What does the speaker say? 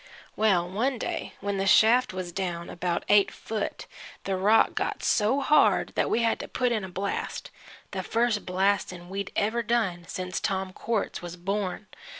Well, one day when the shaft was down about eight foot, the rock got so hard that we had to put in a blast the first blast'n' we'd ever done since Tom Quartz was born.